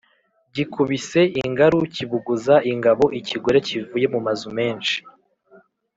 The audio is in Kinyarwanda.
Gikubise ingaru kibuguza ingabo-Ikigore kivuye mu mazu menshi.